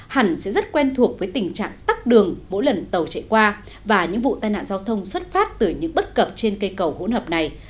hẳn sẽ rất quen thuộc với tình trạng tắt đường mỗi lần tàu chạy qua và những vụ tai nạn giao thông xuất phát từ những bất cập trên cây cầu hỗn hợp này